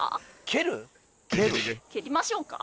蹴りましょうか？